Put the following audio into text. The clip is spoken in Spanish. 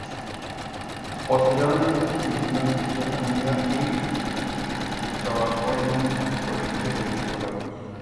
Posteriormente militó en Izquierda Unida y trabajó en un colegio de Escolapios.